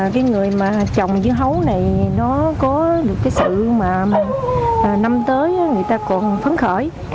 cái người mà trồng dưa hấu này nó có được cái sự mà năm tới người ta còn phấn khởi